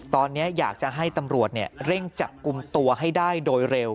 ตอนนี้อยากจะให้ตำรวจเร่งจับกลุ่มตัวให้ได้โดยเร็ว